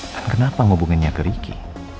dan kenapa ngubunginnya ke ricky